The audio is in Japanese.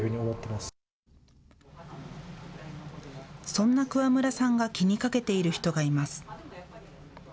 そんな桑村さんが気にかけている人がいます。